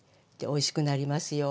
おいしくなりますよ。